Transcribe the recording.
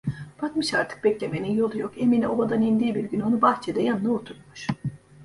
Bakmış artık beklemenin yolu yok, Emine obadan indiği bir gün onu bahçede yanına oturtmuş…